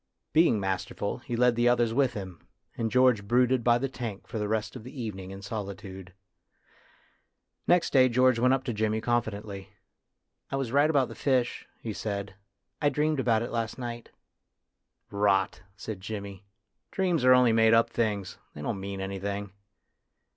Being masterful, he led the others with him, and George brooded by the tank for the rest of the evening in solitude. Next day George went up to Jimmy con fidently. " I was right about the fish," he said. "I dreamed about it last night." " Rot !" said Jimmy ;" dreams are only made up things ; they don't mean anything."